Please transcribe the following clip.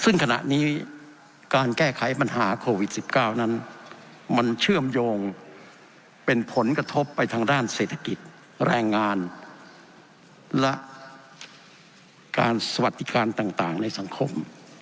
ซึ่งขณะนี้การแก้ไขปัญหาโควิด๑๙นั้นมันเชื่อมโยงเป็นผลกระทบไปทางด้านเศรษฐกิจแรงงานและการสวัสดิการต่างในสังคม